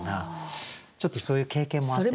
ちょっとそういう経験もあって。